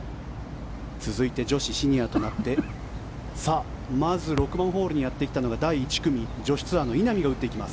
続いて女子、シニアとなってまず６番ホールにやってきたのが第１組、女子ツアーの稲見が打っていきます。